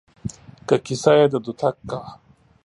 که کيسه يې د دوتک کا